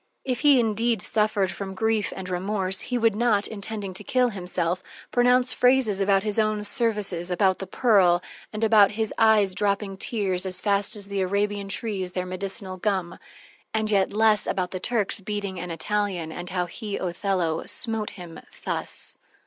If he indeed suffered from grief and remorse, he would not, intending to kill himself, pronounce phrases about his own services, about the pearl, and about his eyes dropping tears "as fast as the Arabian trees their medicinal gum"; and yet less about the Turk's beating an Italian and how he, Othello, smote him _thus!